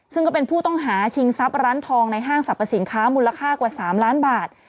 ซึ่งก็เป็นผู้ต้องหาชิงทรัพย์ร้านทองในห้างสรรพสินค้ามูลค่ากว่า๓ล้านบาท